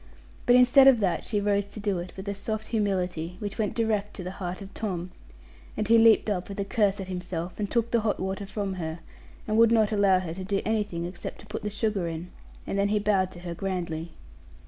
But instead of that she rose to do it with a soft humility, which went direct to the heart of Tom; and he leaped up with a curse at himself, and took the hot water from her, and would not allow her to do anything except to put the sugar in; and then he bowed to her grandly.